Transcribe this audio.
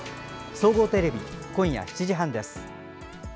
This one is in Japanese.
総合テレビ、今夜７時半です。